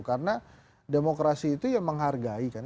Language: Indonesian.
karena demokrasi itu yang menghargai kan